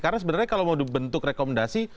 karena sebenarnya kalau mau dibentuk rekomendasi